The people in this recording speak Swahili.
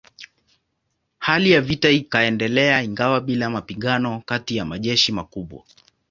Hali ya vita ikaendelea ingawa bila mapigano kati ya majeshi makubwa.